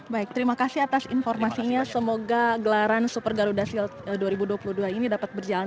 baik terima kasih atas informasinya semoga gelaran super garuda shield dua ribu dua puluh dua ini dapat berjalan